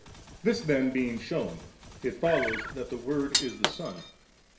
This then being shewn, it follows that the Word is the Son.